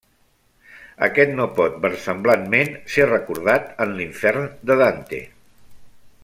Aquest no pot versemblantment ser recordat en l'Infern de Dante.